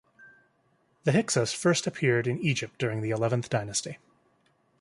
The Hyksos first appeared in Egypt during the Eleventh Dynasty.